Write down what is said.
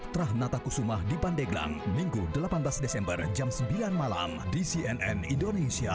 terah natakusumah di pandeglang minggu delapan belas desember jam sembilan malam di cnn indonesia